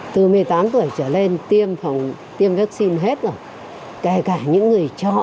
từ một mươi tám tuổi trở lên tiêm vaccine hết rồi kể cả những người chọ